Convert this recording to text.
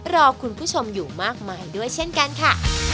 รอคุณผู้ชมอยู่มากมายด้วยเช่นกันค่ะ